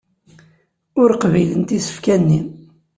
Ur qbilent isefka-nni.